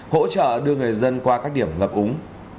hỗ trợ đưa người dân qua các điểm ngập úng